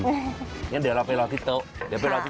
ง่อนเดี๋ยวเราไปรอที่โต๊ะเป็นตอนั้นจ๊ะ